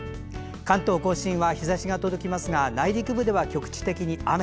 関東・甲信は日ざしが届きますが内陸部では局地的に雨。